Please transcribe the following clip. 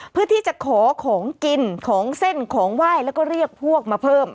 เพื่อที่จะขอของกินของเส้นของไหว้แล้วก็เรียกพวกมาเพิ่ม